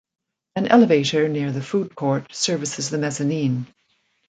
An elevator near the food court services the mezzanine.